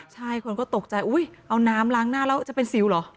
ใช่คนก็ตกใจอุ๊ยเอาน้ำล้างหน้าแล้วจะเป็นสิวเหรอ